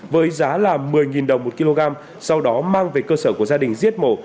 với giá là một mươi đồng một kg sau đó mang về cơ sở của gia đình giết mổ